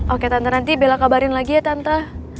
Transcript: oke tante nanti bella kabarin lagi ya tante